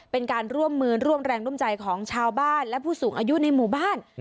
เป็นการร่วมมือร่วมแรงร่วมใจของชาวบ้านและผู้สูงอายุในหมู่บ้าน